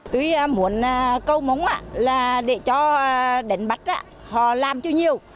tôi muốn câu mống để cho đánh bắt họ làm cho nhiều